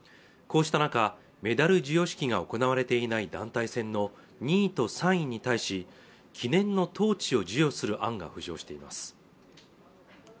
こうした中メダル授与式が行われていない団体戦の２位と３位に対し記念のトーチを授与する案が浮上しています